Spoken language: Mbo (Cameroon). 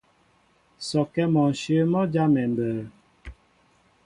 Sɔkɛ mɔnshyə̂ mɔ́ jámɛ mbə̌.